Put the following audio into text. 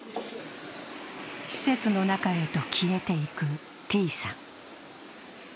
施設の中へと消えていくＴさん。